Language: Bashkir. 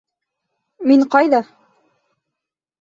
Мин ҡайҙа?